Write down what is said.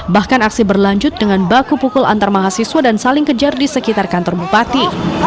bahkan aksi berlanjut dengan baku pukul antar mahasiswa dan saling kejar di sekitar kantor bupati